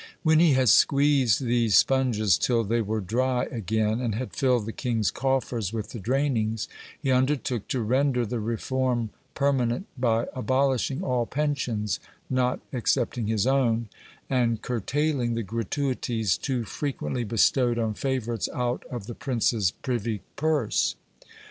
When he had squeezed these spunges till they were dry again, and had filled the king's coffers with the drainings, he undertook to ren der the reform permanent by abolishing all pensions, not excepting his own, and curtailing the gratuities too frequently bestowed on favourites out of the pr nce's privy purse.